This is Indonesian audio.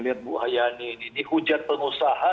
lihat bu hayani ini dihujat pengusaha